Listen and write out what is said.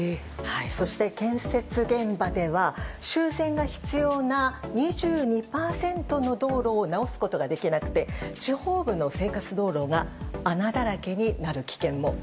そして、建設現場では修繕が必要な２２％の道路を直すことができなくて地方部の生活道路が穴だらけになる危険も。